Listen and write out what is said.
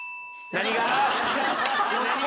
何が？